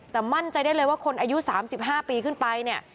แต่มั่นใจได้เลยว่าคนอายุ๓๕ปีขึ้นไปเนี่ย